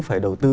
phải đầu tư